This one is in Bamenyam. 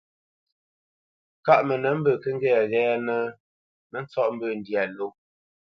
Kâʼ mənə mbə̂ kə́ ŋgɛ́nə ghɛ́ɛ́nə́, mə ntsɔ́ʼ mbə̂ ndyâ ló.